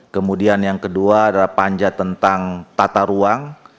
kemudian yang kedua adalah panjat tentang tata ruang